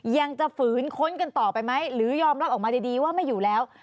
ยังจะฝืนค้นกันต่อไปไหมหรือยอมรับออกมาดีว่าไม่อยู่แล้ว